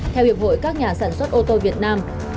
theo hiệp hội các nhà sản xuất ô tô việt nam